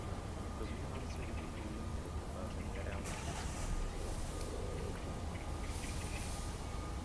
Domnívám se, že bychom neměli vytvářet nerealistická očekávání.